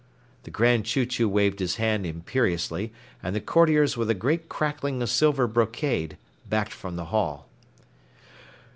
The Grand Chew Chew waved his hand imperiously, and the courtiers with a great crackling of silver brocade backed from the hall.